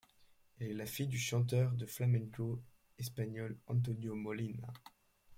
Elle est la fille du chanteur de flamenco espagnol Antonio Molina.